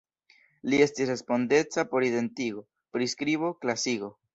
Li estis respondeca por identigo, priskribo, klasigo.